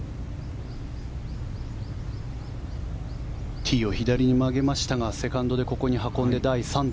ティーを左に曲げましたがセカンドでここに運んで第３打。